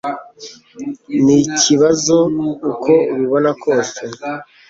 Ni ikibazo uko ubibona kose.